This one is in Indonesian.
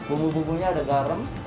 bumbu bumbunya ada garam